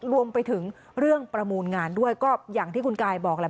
รวมไปถึงเรื่องประมูลงานด้วยก็อย่างที่คุณกายบอกแหละ